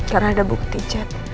karena ada bukti chat